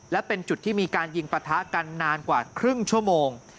และเป็นจุดที่มีการยิงปะทะกันนานกว่าครึ่งชั่วโมง